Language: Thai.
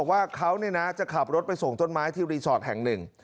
ว่าเขาจะขับรถไปส่งต้นไม้ที่รีสอร์ทแห่งหนึ่ง